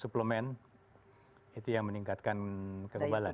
suplemen itu yang meningkatkan kekebalan